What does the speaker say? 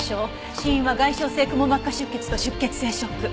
死因は外傷性くも膜下出血と出血性ショック。